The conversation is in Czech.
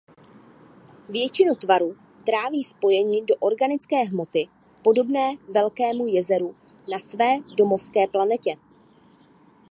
Většinu tvaru tráví spojeni do organické hmoty podobné velkému jezeru na své domovské planetě.